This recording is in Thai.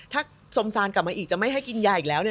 ถ้าสมซานกลับมาอีกจะไม่ให้กินยาอีกแล้ว